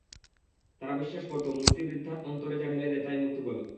তারা বিশ্বাস করতো, মূর্তি বৃদ্ধার অন্তরে যা ঢেলে দেয় তাই মূর্তি বলে।